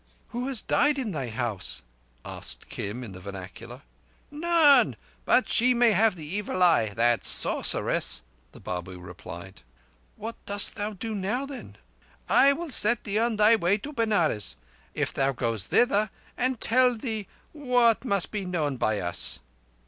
"Who has died in thy house?" asked Kim in the vernacular. "None. But she may have the Evil Eye—that sorceress," the Babu replied. "What dost thou do now, then?" "I will set thee on thy way to Benares, if thou goest thither, and tell thee what must be known by Us."